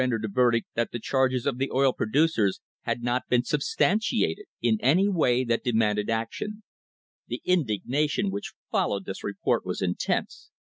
THE HISTORY OF THE STANDARD OIL COMPANY a verdict that the charges of the oil producers had not been substantiated in any way that demanded action. The indignation which followed this report was intense.